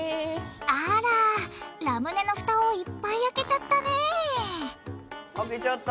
あらラムネのふたをいっぱい開けちゃったね開けちゃった。